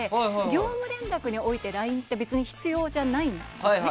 業務連絡においてＬＩＮＥって別に必要じゃないんですね。